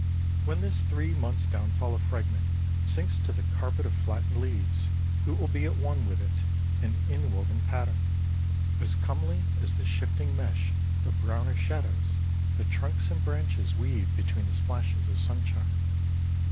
When this three months' downfall of fragments sinks to the carpet of flattened leaves, it will be at one with it, an inwoven pattern, as comely as the shifting mesh of browner shadows that trunks and branches weave between the splashes of sunshine.